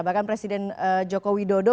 bahkan presiden joko widodo